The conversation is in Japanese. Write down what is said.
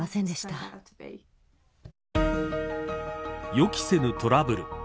予期せぬトラブル。